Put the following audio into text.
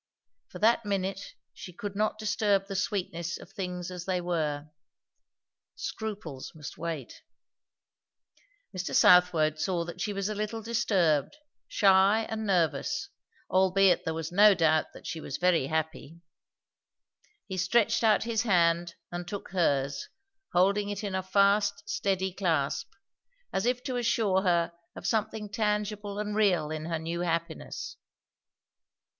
For that minute she could not disturb the sweetness of things as they were. Scruples must wait. Mr. Southwode saw that she was a little disturbed, shy and nervous, albeit there was no doubt that she was very happy. He stretched out his hand and took hers, holding it in a fast steady clasp; as if to assure her of something tangible and real in her new happiness.